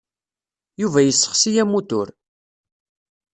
Yuba yessexsi amutur.